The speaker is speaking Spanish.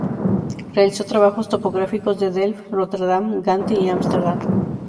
Realizó trabajos topográficos de Delft, Róterdam, Gante y Ámsterdam.